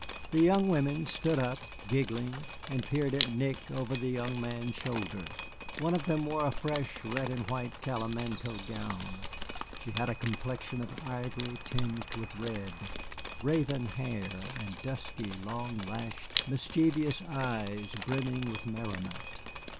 The young women stood up, giggling, and peered at Nick over the young man's shoulder. One of them wore a fresh red and white calamanco gown. She had a complexion of ivory tinged with red, raven hair, and dusky, long lashed, mischievous eyes brimming with merriment.